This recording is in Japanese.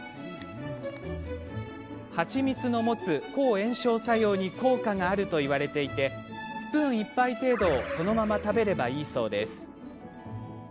蜂蜜の持つ抗炎症作用に効果があるといわれていてスプーン１杯程度をそのまま食べればいいそうです。